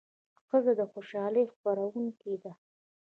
ښځه د خوشالۍ خپروونکې ده.